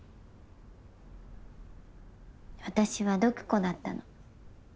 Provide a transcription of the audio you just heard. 私は毒子だったの。